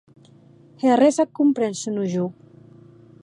E arrés ac compren, senon jo!